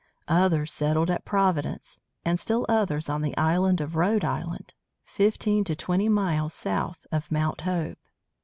Others settled at Providence, and still others on the island of Rhode Island, fifteen to twenty miles south of Mount Hope.